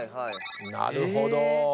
なるほど。